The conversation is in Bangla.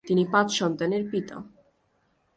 তিনি পাঁচ সন্তানের পিতা।